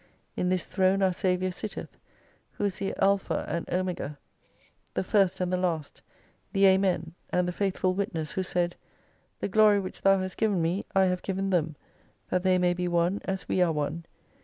In this Throne our Saviour sitteth, who is the Alpha and 292 Omega, the first and the last, the Ainen^ and the faith ful witness who said, The Glory which Thou hast given me, I have given them, that they may be one, as we are one.